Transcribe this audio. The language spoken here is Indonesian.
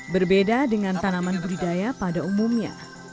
berbeda dengan tanaman budidaya pada umumnya